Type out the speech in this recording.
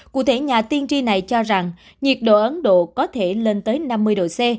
cụ thể nhà tiên tri này cho rằng nhiệt độ ấn độ có thể lên tới năm mươi độ c